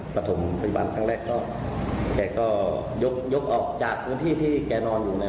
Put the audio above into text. ปฐมพยาบาลครั้งแรกก็แกก็ยกออกจากที่ที่แกนอนอยู่